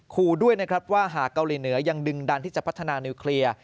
ครูด้วยนะครับว่าหากเกาหลีเหนือยังดึงดันที่จะพัฒนานิวเคลียร์